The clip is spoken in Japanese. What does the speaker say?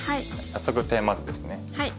早速テーマ図ですね。